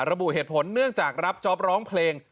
ระบุเหตุผลเนื่องจากรับจ๊อปร้องเพลง